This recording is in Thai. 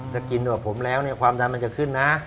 ถ้ากินกับผมแล้วเนี่ยความดันมันจะขึ้นนะ